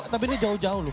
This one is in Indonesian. tapi ini jauh jauh loh